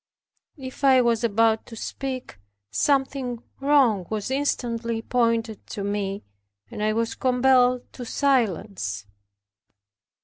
If I was about to speak, something wrong was instantly pointed to me, and I was compelled to silence.